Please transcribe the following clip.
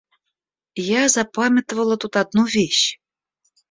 Я запамятовала тут одну вещь.